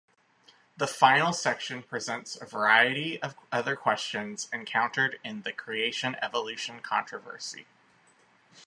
The final section presents a variety of other questions encountered in the creation-evolution controversy.